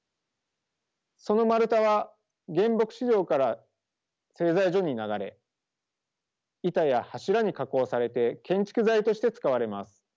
その丸太は原木市場から製材所に流れ板や柱に加工されて建築材として使われます。